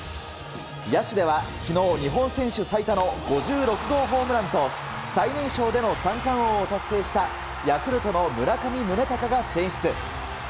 野手では昨日、日本選手最多の５６号ホームランと最年少での三冠王を達成したヤクルトの村上宗隆が選出。